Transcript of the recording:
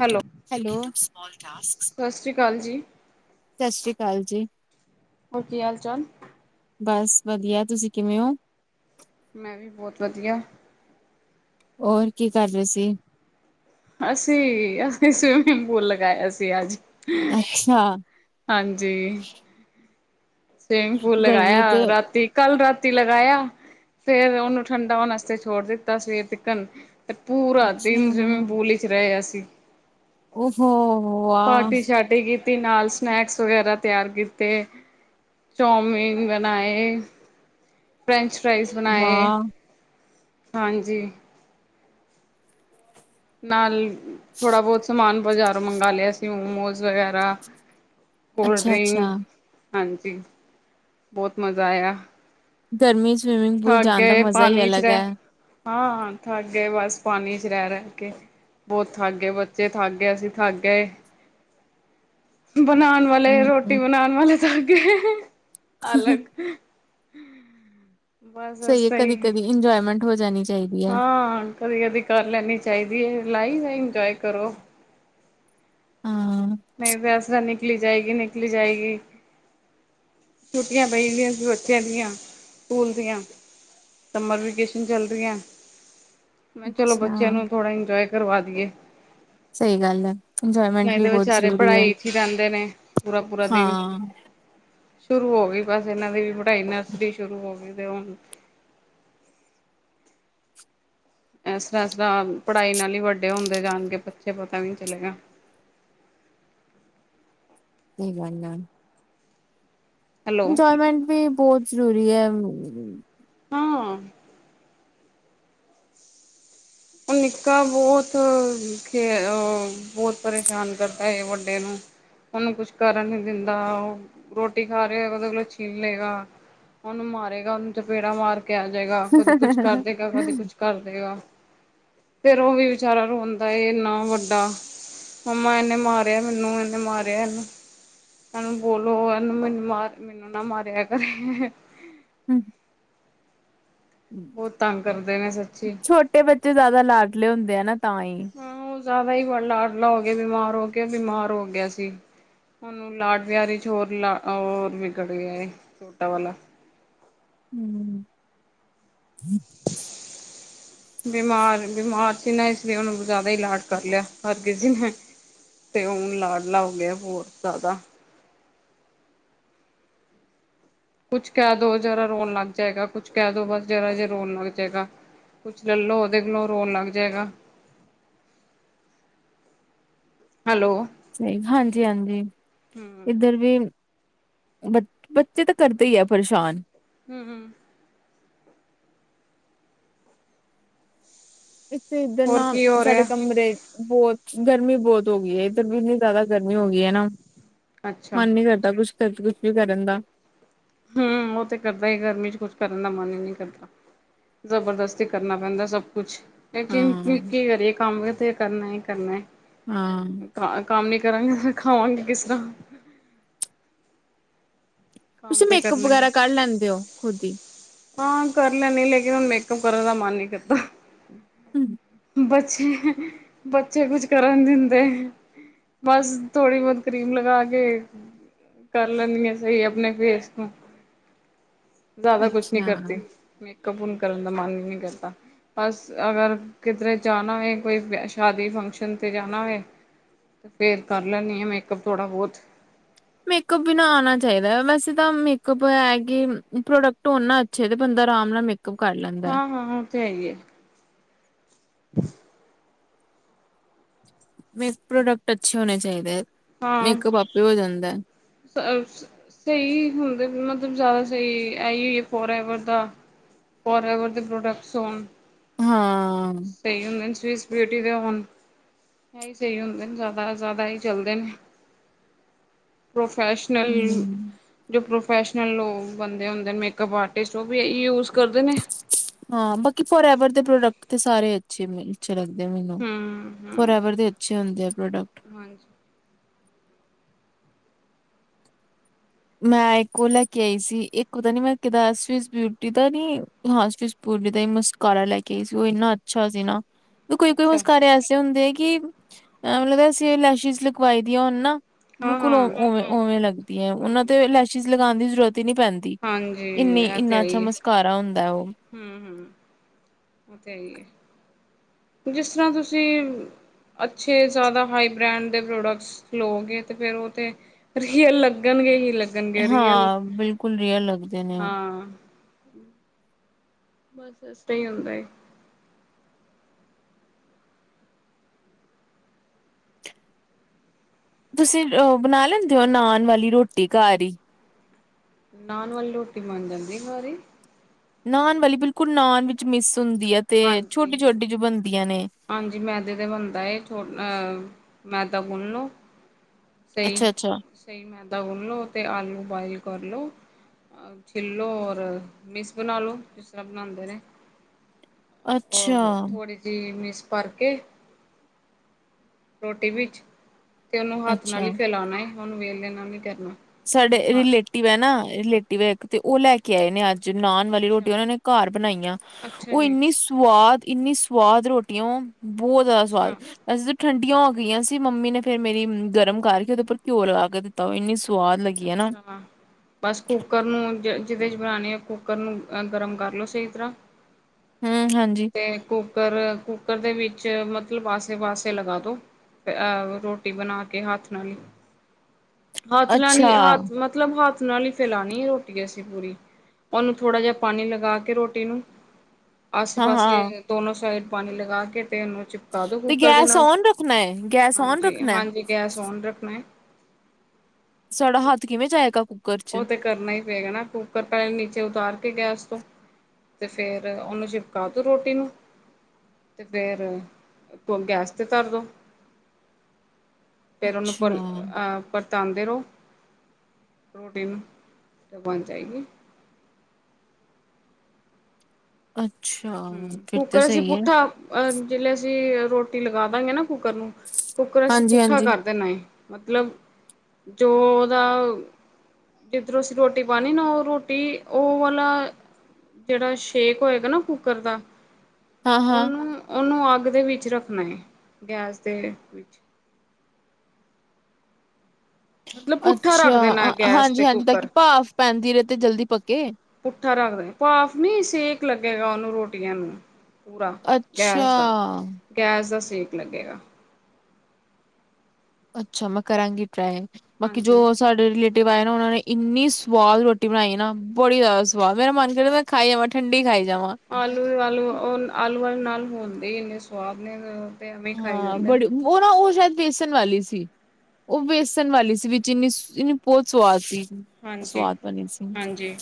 Hello hello! ਸਮੌਲ ਟਾਸ ਸਤਿ ਸ਼੍ਰੀ ਅਕਾਲ ਜੀ ਸਤਿ ਸ਼੍ਰੀ ਅਕਾਲ ਜੀ। ਹੋਰ, ਕੀ ਹਾਲ ਚਾਲ? ਬਸ ਵਧੀਆ, ਤੁਸੀਂ ਕਿਵੇਂ ਓ। ਮੈਂ, ਵੀ ਬਹੁਤ ਵਧੀਆ। ਔਰ ਕੀ ਕਰ ਰਹੇ ਸੀ? ਅਸੀਂ, ਆ ਸਵਿਮਿੰਗ ਪੂਲ ਲਗਾਇਆ ਸੀ। ਅੱਜ, ਅੱਛਾ। ਹਾਂਜੀ। ਸਵੀਮਿੰਗ ਪੂਲ ਗਰਮੀ ਲਗਾਇਆ, ਤੇ ਰਾਤੀ, ਕੱਲ, ਰਾਤੀ। ੱਤੀ ਲਗਾਇਆ ਫੇਰ, ਉਹਨੂੰ ਠੰਡਾ ਹੋਣ ਆਸਤੇ ਛੋੜ ਦਿੱਤਾ, ਸਵੇਰ ਤਕਨ ਤੇ ਪੂਰਾ ਅੱਛਾ, ਦਿਨ ਜਿਵੇਂ, ਬੋਲੀ ਚ ਰਹੇ ਅਸੀਂ। ਓ, ਹੋ। ਪਾਰਟੀ ਛਾਟੇਗੀ। ਨਾਲ ਸਨੈਕਸ ਵਗੈਰਾ ਤਿਆਰ ਕੀਤੇ, ਚੌਮਿਨ ਬਣਾਏ, ਫਰੈਂਚ ਫਾਈਜ਼ ਬਣਾਏ ਵਾਹ ਹਾਂਜੀ ਨਾਲ ਥੋੜਾ ਬਹੁਤ ਸਮਾਨ ਬਜ਼ਾਰੋਂ ਮੰਗਵਾ ਲਿਆ ਸੀ ਮੋਮੋਜ਼ ਵਗੈਰਾ ਕੋਲ ਅੱਛਾ-ਅੱਛਾ, ਡ੍ਰਿੰਕ ਹਾਂਜੀ ਬਹੁਤ ਮਜ਼ਾ ਆਇਆ। ਗਰਮੀ ਚ ਸਵਿਮਿੰਗ ਪੂਲ ਥਕ ਜਾਣ ਦਾ ਗਏ ਮਜ਼ਾ ਹੀ ਪਾਣੀ ਚ ਅਲੱਗ ਰਹਿ। ਹੈ। ਹਾਂ ਥਕ ਗਏ ਬਸ ਪਾਣੀ ਚ ਰਹਿ ਰਹਿ ਕੇ ਬਹੁਤ ਥਾ ਗਏ ਬੱਚੇ ਥੱਕ ਗਏ ਅਸੀਂ ਥੱਕ ਗਏ। ਬਣਾਉਣ ਵਾਲੇ ਰੋਟੀ ਹੂੰ, ਬਣਾਉਣ ਵਾਲੇ ਤਾਂ [unintelligible] ਅਲਗ [unintelligible] ਬਸ ਸਹੀ ਹੈ ਅਸੀ ਕਦੀ-ਕਦੀ ਇੰਜੋਏਮੈਂਟ ਹੋ ਜਾਣੀ ਚਾਹੀਦੀ ਤਾਂ। ਹੈ। ਹਾਂ ਕਦੀ ਕਦੀ ਕਰ ਲੈਣੀ ਚਾਹੀਦੀ ਹੈ। ਲਾਈਫ ਹੈ ਇੰਜੋਏ ਕਰੋ। ਹਾਂ, ਨਹੀਂ ਤਾਂ ਇਸ ਤਰ੍ਹਾਂ ਨਿਕਲੀ ਜਾਏਗੀ ਨਿਕਲੀ ਜਾਏਗੀ। ਛੁੱਟੀਆਂ ਪਈਦੀਆਂ ਸੀ ਬੱਚਿਆਂ ਦੀਆਂ ਸਕੂਲ ਦੀਆਂ ਸਮਰ ਵੇਕੇਸ਼ਨ ਚੱਲ ਰਹੀਆਂ ਮੈਂ ਚਲੋ ਅੱਛਾ ਬੱਚਿਆਂ ਨੂੰ ਥੋੜਾ ਇੰਜੋਏ ਕਰਵਾ ਦੀਏ। ਸਹੀ ਗੱਲ ਹੈ ਇੰਜੋਏਮੈਂਟ ਨਹੀਂ ਵੀ ਤੇ ਬਹੁਤ ਵਿਚਾਰੇ ਜ਼ਰੂਰੀ ਹੈ। ਪੜ੍ਹਾਈ ਚ ਹੀ ਰਹਿੰਦੇ ਨੇ ਪੂਰਾ-ਪੂਰਾ ਦਿਨ। ਹਾਂ, ਸ਼ੁਰੂ ਹੋ ਗਈ ਬਸ ਇਹਨਾਂ ਦੀ ਵੀ ਪੜ੍ਹਾਈ ਨਰਸਰੀ ਸ਼ੁਰੂ ਹੋ ਗਈ ਤੇ ਹੁਣ ਇਸ ਤਰ੍ਹਾਂ ਇਸ ਤਰ੍ਹਾਂ ਪੜ੍ਹਾਈ ਨਾਲ ਈ ਵੱਡੇ ਹੁੰਦੇ ਜਾਣ ਗੇ ਬੱਚੇ ਪਤਾ ਵੀ ਨੀ ਚਲੇਗਾ। ਸਹੀ ਗੱਲ ਆ। ਹੈਲੋ ਇੰਜੋਏਮੈਂਟ ਵੀ ਬਹੁਤ ਜ਼ਰੂਰੀ ਐ। ਹੂੰ ਹਾਂ ਉਹ ਨਿੱਕਾ ਬਹੁਤ ਖੇ ਬਹੁਤ ਪਰੇਸ਼ਾਨ ਕਰਦਾ ਏ ਵੱਡੇ ਨੂੰ ਉਹਨੂੰ ਕੁੱਛ ਕਰਨ ਨੀ ਦਿੰਦਾ ਉਹ ਰੋਟੀ ਖਾ ਰਿਹਾ ਉਹਦੇ ਕੋਲ ਛੀਨ ਲੇਗਾ ਉਹਨੂੰ ਮਾਰੇਗਾ ਉਹਨੂੰ ਚਪੇੜਾ ਮਾਰ ਕੇ ਆਏਗਾ ਕਦੇ ਕੁੱਛ ਕਰ ਦੇਗਾ ਕਦੇ ਕੁੱਛ ਕਰ ਦੇਗਾ। ਫਿਰ ਉਹ ਵੀ ਵਿਚਾਰਾ ਰੋਂਦਾ ਏ ਇੰਨਾ ਵੱਡਾ ਮੰਮਾ ਇਹਨੇ ਮਾਰਿਆ ਮੈਨੂੰ ਇਹਨੇ ਮਾਰਿਆ ਇਹਨੂੰ ਇਹਨੂੰ ਬੋਲੋ ਇਹਨੂੰ ਮੈਨੂੰ ਮਾਰ ਮੈਨੂੰ ਨਾ ਮਾਰਿਆ ਕਰੇ। ਹੂੰ ਬਹੁਤ ਤੰਗ ਕਰਦੇ ਨੇ ਸੱਚੀ ਛੋਟੇ ਬੱਚੇ ਜ਼ਿਆਦਾ ਲਾਡਲੇ ਹੁੰਦੇ ਆ ਨਾ ਤਾਂ ਹੀ ਹਾਂ ਉਹ ਜ਼ਿਆਦਾ ਹੀ ਲਾਡਲਾ ਹੋ ਗਿਆ ਬਿਮਾਰ ਹੋ ਕੇ ਬਿਮਾਰ ਹੋ ਗਿਆ ਸੀ ਉਹਾਨੂੰ ਲਾਡ ਪਿਆਰ ਚ ਹੋਰ ਲਾ ਹੋਰ ਵਿਗੜ ਗਿਆ ਏ ਛੋਟਾ ਵਾਲਾ। ਹਮ [unintelligible] ਬਿਮਾਰ ਬਿਮਾਰ ਸੀ ਨਾ ਇਸ ਲਈ ਉਹਨੂੰ ਜ਼ਿਆਦਾ ਈ ਲਾਡ ਕਰ ਲਿਆ ਹਰ ਕਿਸੀ ਨੇ ਤੇ ਹੁਣ ਲਾਡਲਾ ਹੋ ਗਿਆ ਏ ਹੋਰ ਜ਼ਿਆਦਾ ਕੁਛ ਕਹਿ ਦੋ ਜਰਾ ਰੋਣ ਲੱਗ ਜਾਏਗਾ ਕੁਛ ਕਹਿ ਦੋ ਬਸ ਜਰਾ ਜੇ ਰੋਣ ਲੱਗ ਜਾਏਗਾ ਕੁਛ ਲੈਲੋ ਉਹਦੇ ਕੋਲੋਂ ਰੋਣ ਲੱਗ ਜਾਏਗਾ। ਹੈਲੋ [unintelligible] ਹਾਂਜੀ-ਹਾਂਜੀ, ਹੂੰ। ਇੱਧਰ ਵੀ ਬ ਬੱਚੇ ਤਾਂ ਕਰਦੇ ਈ ਆ ਪਰੇਸ਼ਾਨ। ਹੂੰ, ਹੂੰ। ਤੇ ਇੱਧਰ ਹੋਰ ਨਾ ਕੀ ਹੋ ਸਾਡੇ ਰਿਹਾ ਕਮਰੇ ਬੋ ਗਰਮੀ ਬਹੁਤ ਹੋ ਗਈ ਏ ਇੱਧਰ ਵੀ ਇੰਨੀ ਜ਼ਿਆਦਾ ਗਰਮੀ ਹੋ ਗਈ ਐ ਨਾ। ਅੱਛਾ। ਮਨ ਨੀ ਕਰਦਾ ਕੁੱਛ [unintelligible] ਕੁਛ ਵੀ ਕਰਨ ਦਾ। ਹੂੰ, ਉਹ ਤੇ ਕਰਦਾ ਹੀ ਗਰਮੀ ਚ ਕੁਛ ਕਰਨ ਦਾ ਮਨ ਹੀ ਨੀ ਕਰਦਾ, ਜ਼ਬਰਦਸਤੀ ਕਰਨਾ ਪੈਂਦਾ ਸਭ ਕੁੱਛ। ਲੇਕਿਨ ਕੀ ਹਾਂ। ਕਰੀਏ ਕੰਮ ਤੇ ਕਰਨਾ ਈ ਕਰਨਾ ਹਾਂ ਐ ਕੰਮ ਨੀ ਕਰਾਂਗੇ ਫਿਰ ਖਾਵਾਂਗੇ ਕਿਸ ਤਰ੍ਹਾਂ? ਕੰਮ ਤੁਸੀਂ ਤੇ ਮੇਕਅਪ ਕਰਨਾ ਈ, ਵਗੈਰਾ ਕਰ ਲੈਂਦੇ ਹੋ ਖੁਦ ਹੀ। ਹਾਂ ਕਰ ਲੈਨੀ ਲੇਕਿਨ ਹੁਨ ਮੈਂ ਉਹ ਕਰਨ ਦਾ ਮਨ ਨੀ ਕਰਦਾ। [unintelligible] ਬੱਚੇ, ਬੱਚੇ ਕੁੱਛ ਕਰਨ ਦਿੰਦੇ ਬਸ ਥੋੜੀ ਬਹੁਤ ਕਰੀਮ ਲਗਾ ਕੇ ਕਰ ਲੈਂਨੀ ਆ ਸਹੀ ਆ ਅਪਨੇ ਫੇਸ ਤੋ। ਜ਼ਿਆਦਾ ਕੁਛ ਨੀ ਅੱਛਾ ਕਰਤੀ ਮੇਕਅਪ [unintelligible] ਕਰਨ ਦਾ ਮਨ ਈ ਨੀ ਕਰਦਾ, ਬਸ ਅਗਰ ਕਿਧਰੇ ਜਾਨਾ ਵੇ, ਕੋਈ ਸ਼ਾਦੀ ਫੰਕਸ਼ਨ ਤੇ ਜਾਨਾ ਵੇ ਤੇ ਫਿਰ ਕਰ ਲੈਨੀ ਆ ਮੇਕਅਪ ਥੋੜਾ ਬੋਤ ਮੇਕਅਪ ਵੀ ਨਾ ਆਨਾ ਚਾਹੀਦਾ ਐ, ਵੈਸੇ ਤਾਂ ਮੇਕਅਪ ਇਹ ਹੈ ਕਿ ਪ੍ਰੋਡਕਟ ਹੋਨ ਨਾ ਅੱਛੇ ਬੰਦਾ ਆਰਾਮ ਨਾਲ ਮੇ ਹਾਂ-ਹਾਂ-ਹਾਂ, ਓ ਤੇ ਹੈ ਈ ਐ। [unintelligible] ਮੇ ਪ੍ਰੋਡਕਟ ਅੱਛੇ ਹੋਨੇ ਚਾਹੀਦੇ ਹਾਂ, ਮੇਕਅਪ ਆਪੇ ਹੋ ਜਾਂਦਾ ਹੈ। [unintelligible] ਸਹੀ ਹੁੰਦੇ ਮਤਲਬ ਜ਼ਿਆਦਾ ਬਈ ਐ ਹੀ ਓ ਏ ਫੋਰਐਵਰ ਦਾ ਫੋਰਐਵਰ ਦੇ ਪ੍ਰੋਡਕਟਸ ਹੋਨ ਹਾਂ। ਸਹੀ ਹੁੰਦੇ ਸਵਿੱਸ ਬਿਊਟੀ ਦੇ ਹੋਨ, ਏਹੀ ਸਹੀ ਹੁੰਦੇਨ ਜ਼ਿਆਦਾ, ਜ਼ਿਆਦਾ ਏਹੀ ਚਲਦੇ ਨੇ। ਫੈਸ਼ਨਲ, ਹਮ ਜੋ ਪ੍ਰੋ ਪ੍ਰੋਫੈਸ਼ਨਲ ਉਹ ਬੰਦੇ ਹੁੰਦੇਨ ਮੇਕਅਪ ਆਰਟਿਸਟ, ਉਹ ਵੀ ਏਹੀ ਯੂਜ ਕਰਦੇ ਨੇ ਹਾਂ, ਬਾਕੀ ਫੋਰਐਵਰ ਦੇ ਪ੍ਰੋਡਕਟ ਤੇ ਸਾਰੇ ਅੱਛੇ ਮਿਲ ਚ ਅੱਛੇ ਲੱਗਦੇ ਮੈਨੂੰ, ਹਮ ਹਮ ਫੋਰਐਵਰ ਦੇ ਅੱਛੇ ਹੁੰਦੇ ਆ ਪ੍ਰੋਡਕਟ। ਹਾਂਜੀ ਮੈਂ ਇੱਕ ਉਹ ਲੈ ਕੇ ਆਈ ਸੀ, ਇੱਕ ਪਤਾ ਨੀ ਮੈਂ ਕਿਦਾ ਸਵਿਸ ਬਿਊਟੀ ਦਾ ਨੀ, ਹਾਂ ਸਵਿਸ ਬਿਊਟੀ ਦਾ ਹੀ, ਮਸਕਾਰਾ ਲੈ ਕੇ ਆਈ ਸੀ, ਉਹ ਇੰਨਾ ਅੱਛਾ ਸੀ ਨਾ ਕੋਈ ਕੋਈ ਅੱਛਾ ਮਸਕਾਰੇ ਐਸੇ ਹੁੰਦੇ ਐ ਕਿ [unintelligible] ਮਤਲਬ ਅਸੀਂ ਲੈਸ਼ਿਜ਼ ਲਗਵਾਈ ਦੀਆਂ ਹੋਨ ਨਾ ਹਾਂ ਬਿਲਕੁਲ ਉ, ਹਾਂ ਉਵੇਂ-ਉਵੇਂ ਲੱਗਦੀ ਐ ਉਹ ਨਾ ਤੇ ਲੈਸ਼ੀਜ ਆਣ ਦੀ ਜ਼ਰੂਰਤ ਨੀ ਪੈਂਦੀ ਹਾਂਜੀ ਇੰਨੀ ਇਹ ਤਾਂ ਇੰਨਾ ਹੈ ਅੱਛਾ ਹੀ ਹੈ ਮਸਕਾਰਾ ਹੁੰਦਾ ਉਹ ਹਮ ਹਮ ਉਹ ਤਾਂਹੀ ਹੈ ਜਿਸ ਤਰ੍ਹਾਂ ਤੁਸੀਂ ਅੱਛੇ ਜ਼ਿਆਦਾ ਹਾਈ ਬ੍ਰੈਂਡ ਦੇ ਪ੍ਰੋਡਕਟਸ ਲਓਗੇ ਤੇ ਫਿਰ ਉਹ ਤੇ ਰੀਅਲ ਲੱਗਣਗੇ ਹੀ ਲ ਹਾਂ ਬਿਲਕੁਲ ਰੀਅਲ ਲੱਗਦੇ ਨੇ ਉਹ ਹਮ ਬਸਸ ਸਟੇ ਹੁੰਦਾ ਏ ਤੁਸੀਂ ਬਣਾ ਲੈਂਦੇ ਹੋ ਨਾਨ ਵਾਲੀ ਰੋਟੀ ਘਰ ਹੀ ਨਾਨ ਵਾਲੀ ਰੋਟੀ ਬਨ ਜਾਂਦੀ ਹੈ ਘਰ ਹੀ ਨਾਨ ਵਾਲੀ ਬਿਲਕੁਲ ਨਾਨ ਵਿੱਚ ਮਿਸ ਹੁੰਦੀ ਹੈ ਤੇ ਹਾਂਜੀ ਛੋਟੀ ਛੋਟੀ ਹਾਂਜੀ ਜੋ ਬਣਦੀਆਂ ਨੇ ਹਾਂਜੀ ਮੈਦੇ ਦਾ ਬੰਦਾ ਛੋਟ ਅਹ ਆਟਾ ਗੁੰਨ ਲਓ ਸਹੀ ਅੱਛਾ ਅੱਛਾ ਸਹੀ ਮੈਦਾ ਗੋਨਲੋ ਤੇ ਆਲੂ ਬੁਇਲ ਕਰ ਲੋ ਅ ਛਿੱਲੋ ਔਰ ਮਿਸ ਬਣਾ ਲਓ ਜਿਸ ਤਰ੍ਹਾਂ ਬਣਾਉਂਦੇ ਨੇ ਅੱਛਾ ਉਹ ਥੋੜੀ ਜਿਹੀ ਮਿਸ ਭਰਕੇ ਰੋਟੀ ਵਿੱਚ ਤੇ ਉਹਨੂੰ ਹੱਥ ਨਾਲ ਹੀ ਅੱਛਾ ਫੈਲਾਉਣਾ ਏ ਉਹਨੂ ਵੇਲ ਲੈਣਾ ਨੀ ਕਰ ਸਾਡੇ ਰਿਲੇਟਿਵ ਹੈ ਨਾ ਰਿਲੇਟਿਵ ਹੈ ਇੱਕ ਤੇ ਉਹ ਲੈ ਕੇ ਆਏ ਨੇ ਅੱਜ ਨਾਨ ਵਾਲੀ ਰੋਟੀ ਅੱਛਾ ਉਹਨਾਂ ਨੇ ਘਰ ਬਣਾਈਆਂ ਅੱਛਾ ਉਹ ਜੀ ਇੰਨੀ ਸਵਾਦ ਇੰਨੀ ਸਵਾਦ ਰੋਟੀੀਆਂ ਉਹ ਬਹੁਤ ਜ਼ਿਆਦਾ ਸਵਾਦ ਅੱਛਾ ਵੈਸੇ ਤਾਂ ਠੰਡ ਟੀਆਂ ਹੋ ਗਈਆਂ ਸੀ ਮੰਮੀ ਨੇ ਫੇ ਮੇਰੀ ਗਰਮ ਕਰਕੇ ਉਹਦੇ ਉੱਪਰ ਘਿਓ ਲਗਾ ਕੇ ਦਿੱਤਾ ਉਹ ਇੰਨੀ ਸਵਾਦ ਲੱਗੀ ਹੈ ਨਾ ਅੱਛਾ ਬਸ ਕੁੂੱਕਰ ਨੂੰ ਜ ਜਿਹਦੇ ਚ ਬਣਾਉਣੇ ਆ ਕੁੂੱਕਰ ਨੂੰਹ ਗਰਮ ਕਰ ਲਓ ਸਹੀ ਤਰ੍ਹਾਂ ਹਮ ਹਾਂਜੀ ਤੇ ਕੁ ਕੁਕਰ ਕੁੱਕਰ ਦੇ ਵਿੱਚ ਮਤਲਬ ਆਸੇ ਪਾਸੇ ਲਗਾ ਦੋ ਅਹ ਰੋਟੀ ਬਣਾ ਕੇ ਹੱਥ ਨਾਲ ਯਾਨੀ ਅੱਛਾ ਹੱ ਮਤਲਬ ਹੱਥ ਨਾਲ ਹੀ ਫੈਲਾਣੀ ਹੈ ਰੋਟੀ ਅਸੀਂ ਪੂਰੀ ਉਹਨੂੰ ਥੋੜ੍ਹਾ ਜਿਹਾ ਪਾਣੀ ਲਗਾ ਕੇ ਰੋਟੀ ਨੂੰ ਆਸੇ ਹਾਂ ਪਾਸੇ ਹਾਂ ਦੋਨੋ ਸਾਈਡ ਪਾਣੀ ਲਗਾ ਕੇ ਤੇਨੂੰ ਚਿਪਕਾ ਦੋ ਤੇ ਕੂਕਰ ਦੇ ਗੈਸ ਨਾਲ ਔਨ ਰੱਖਣਾ ਹੈ ਗੈਸ ਔਨ ਹਾਂਜੀ ਰੱਖਣਾ ਹੈ ਹਾਂਜੀ ਗੈਸ ਓਨ ਰੱਖਣਾ ਹੈ ਸਾਡਾ ਹੱਥ ਕਿਵੇਂ ਜਾ ਆਏਗਾ ਉਹ ਤੇ ਕਰਨਾ ਹੀ ਪਏਗਾ ਨਾ ਕੁੂੱਕਰ ਪਹਿਲੇ ਨੀਚੇ ਉਤਾਰ ਕੇ ਗੈਸ ਤੋਂ ਤੇ ਫੇਿਰ ਉਹਨੂੰ ਚਿਪਕਾ ਦੋ ਰੋਟੀ ਨੂੰ ਤੇ ਫੇਰ ਗੈਸ ਤੇ ਧਰਦੋ ਪੈਰਨਪਲ ਅੱਛਾ ਅ ਤਾਂਉਂਦੇ ਰਹੋ ਰੋਟੀ ਨੂੰ ਲਗਣੀ ਚਾਹੀਦੀ ਅੱ ਹਮ ਕੁੱਕਰ ਅ ਸੀ ਪੁੱਠਾ ਅਹ ਜਲੇ ਅਸੀਂ ਰੋਟੀ ਲਗਾਾਇਏਗੇ ਨਾ ਕੁਕਰ ਨੂੰ ਕੁੂੱਕਰ ਅਸੀਂ ਹਾਂਜੀ ਪੁੱਠਾ ਹਾਂਜੀ ਕਰ ਦੇਣਾ ਮਤਲਬ ਜੋ ਉਹਦਾ ਜਿੱਧਰੋਂ ਅਂ ਰੋਟੀ ਪਣੀ ਨਾ ਉਹ ਰੋਟੀ ਉਹ ਵਾਲਾ ਜਿਹੜਾ ਸ਼ੇਕ ਹੋਏਗਾ ਨਾ ਕੁੱਕ ੱਕਰਦਾ ਹਾਂ ਹਾਂ ਉਹਨੂੰ ਉਹਨੂੰ ਆ ਅਗ ਦੇ ਵਿੱਚ ਰੱਖਣਾ ਹੈ ਗੈਸ ਦੇ ਵਿੱਚ ਮਤਲਬ ਪੁੱਠਾ ਅੱਛਾ ਰੱਖਦੇ ਨੇ ਗੈਸ ਤੇ ਹਾਂਜੀ ਹਾਂਜੀ ਤਾਂ ਕੁੱਕਰ ਕਿ ਭਾਫ਼ ਪੈਂਦੀ ਰਹੇ ਤੇ ਜਲਦੀ ਪੱਕੇ ਪੁੱਠਾ ਰੱਖਦੇ ਨੇ ਭਾਫ ਨੀ ਸੇਕ ਲੱਗੇ ਗਾ ਉਹਨੂੰ ਰੋਟੀਆਂ ਨੂੰ ਪੂਰਾ ਅੱਛਾ ਗੈਸ ਦਾ ਗੈਸ ਦਾ ਸੇਕ ਲੱਗੇਗਾ ਅੱਛਾ ਮੈਂ ਕਰਾਂਗੀ ਹੈ ਬਾਕੀ ਹਾਂਜੀ ਜੋ ਸਾਡੇ ਰਿਲੇ ਪਾਏ ਨਾ ਉਹਨਾਂ ਨੇ ਇੰਨੀ ਸਵਾਦ ਰੋਟੀ ਬਣਾਈ ਨਾ ਬੜੀ ਜ਼ਿਆਦਾ ਸਵਾਦ ਮੇਰਾ ਮਨ ਕਰ ਮੈਂ ਖਾਈ ਜਾਵ ਠੰਡੀ ਖਾਈ ਜਾ ਆਲੂ ਆਲੂ ਉਹ ਆਲੂ ਨਾਲ ਹੋਣ ਦੇ ਇੰਨੇ ਸਵਾਦ ਨੇ ਤੇ ਐਵੇਂ ਖਾਈ ਹਾਂ ਜਾਂਦੇ। ਬੜੀ ਉਹ ਨਾ ਉਹ ਸ਼ਾਇਦ ਬੇਸਣ ਵਾਲੀ ਸੀ ਉਹ ਵੇਸਣ ਵਾਲੀ ਸੀ ਵਿੱਚ ਇੰਨੀ ਇਨੀ ਬਹੁਤ ਸਵਾਦ ਸੀ ਹਾਂਜੀ, ਸਵਾਦ ਬਣੀ ਸੀ ਹਾਂਜੀ।